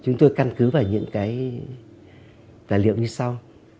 chúng tôi cân cứ vào những tài liệu như sau